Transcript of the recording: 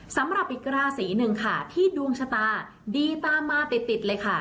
สำหรับอีกราศีหนึ่งค่ะที่ดวงชะตาดีตามมาติดติดเลยค่ะ